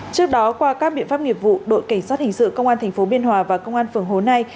trước đó qua các biện pháp nghiệp vụ đội cảnh sát hình sự công an tp biên hòa và công an phường hồ nai